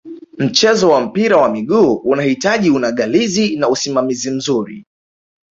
mchezo wa mpira wa miguu unahitaji unagalizi na usimamizi mzuri